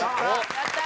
やったー！